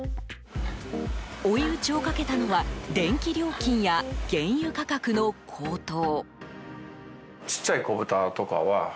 追い打ちをかけたのは電気料金や原油価格の高騰。